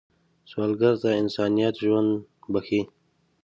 سوالګر ته انسانیت ژوند بښي